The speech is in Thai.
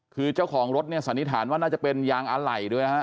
คือเจ้าของรถเนี่ยสันนิษฐานว่าน่าจะเป็นยางอะไหล่ด้วยนะฮะ